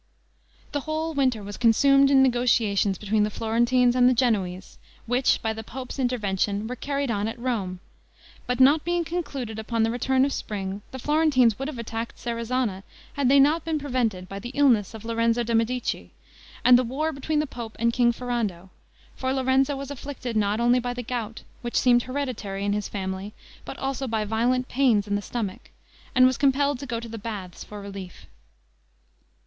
The whole winter was consumed in negotiations between the Florentines and Genoese, which, by the pope's intervention, were carried on at Rome; but not being concluded upon the return of spring, the Florentines would have attacked Serezana had they not been prevented by the illness of Lorenzo de' Medici, and the war between the pope and King Ferrando; for Lorenzo was afflicted not only by the gout, which seemed hereditary in his family, but also by violent pains in the stomach, and was compelled to go the baths for relief.